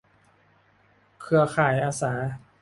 เครือข่ายอาสา